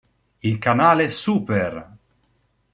Il canale Super!